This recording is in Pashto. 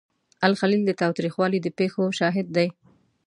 الخلیل د تاوتریخوالي د پیښو شاهد دی.